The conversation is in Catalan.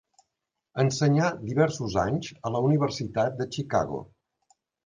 Ensenyà diversos anys a la Universitat de Chicago.